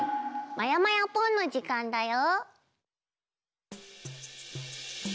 「まやまやぽん！」の時間だよ。